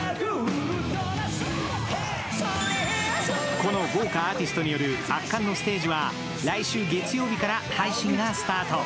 この豪華アーティストによる圧巻のステージは来週月曜日から配信がスタート。